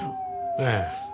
ええ。